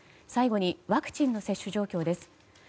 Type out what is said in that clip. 最後にワクチンの接種状況です。